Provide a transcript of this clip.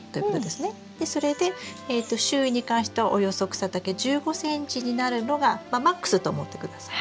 それで周囲に関してはおよそ草丈１５ｃｍになるのがまあマックスと思って下さい。